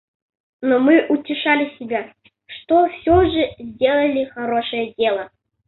Но мы утешали себя, что всё же сделали хорошее дело.